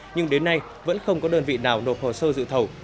nhưng đến nay vẫn không có đơn vị nào nộp hồ sơ dự thầu